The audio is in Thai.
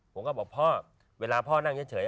ผมก็บอกพ่อเวลาพ่อนั่งเฉย